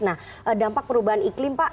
nah dampak perubahan iklim pak